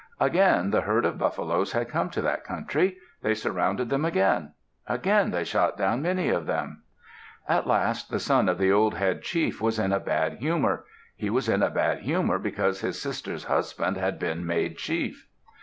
Again the herd of buffaloes had come to that country. They surrounded them. Again they shot down many of them. At last the son of the old head chief was in a bad humor. He was in a bad humor because his sister's husband had been made chief.